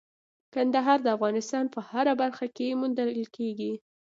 کندهار د افغانستان په هره برخه کې موندل کېږي.